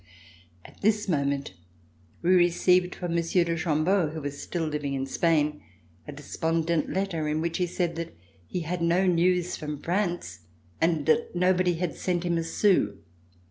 At this moment we received from Monsieur de Chambeau, who was still living in Spain, a despondent letter in which he said that he had no news from France and that nobody had sent him a sou.